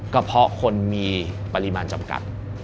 ก็เพราะคนมีปริมาณจำกัด